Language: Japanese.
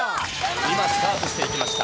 今、スタートしていきました。